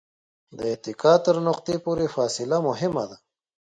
د اتکا تر نقطې پورې فاصله مهمه ده.